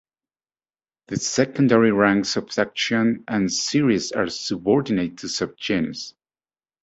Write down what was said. The secondary ranks of section and series are subordinate to subgenus.